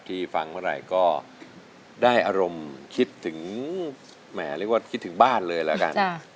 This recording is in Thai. ที่ฟังเมื่อไหร่ก็ได้อารมณ์คิดถึงแหมเรียกว่าคิดถึงบ้านเลยแล้วกัน